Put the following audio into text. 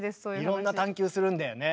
いろんな探究するんだよね？